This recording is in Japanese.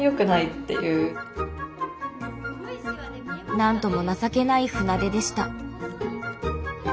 なんとも情けない船出でした。